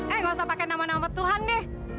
eh gak usah pakai nama nama tuhan deh